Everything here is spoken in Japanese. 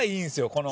この。